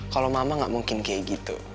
kalau mama gak mungkin kayak gitu